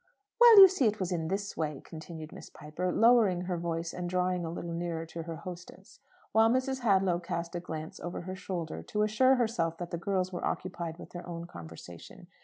"Well, you see, it was in this way," continued Miss Piper, lowering her voice, and drawing a little nearer to her hostess, while Mrs. Hadlow cast a glance over her shoulder to assure herself that the girls were occupied with their own conversation.